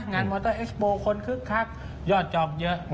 มอเตอร์เอสโบคนคึกคักยอดจองเยอะ